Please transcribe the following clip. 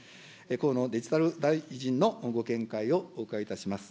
河野デジタル大臣のご見解をお伺いいたします。